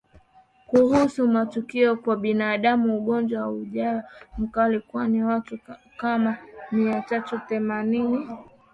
Kuhusu matukio kwa binadamu ugonjwa haujawa mkali kwani watu kama Mia tatu na themanini